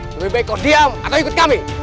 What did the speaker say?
lebih baik kok diam atau ikut kami